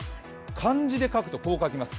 漢字で書くと、こう書きます。